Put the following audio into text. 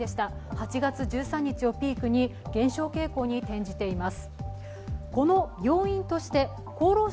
８月１３日をピークに減少傾向に転じています。